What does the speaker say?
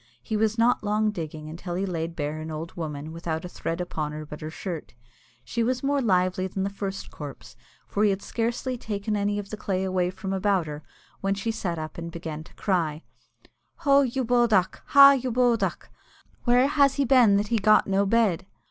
He was not long digging until he laid bare an old woman without a thread upon her but her shirt. She was more lively than the first corpse, for he had scarcely taken any of the clay away from about her, when she sat up and began to cry, "Ho, you bodach (clown)! Ha, you bodach! Where has he been that he got no bed?"